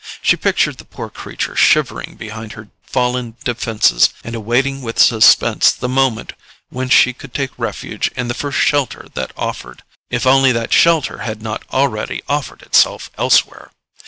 She pictured the poor creature shivering behind her fallen defences and awaiting with suspense the moment when she could take refuge in the first shelter that offered. If only that shelter had not already offered itself elsewhere!